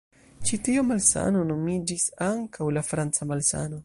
Ĉi tio malsano nomiĝis ankaŭ la "franca malsano".